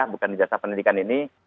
bukan di jasa pendidikan ini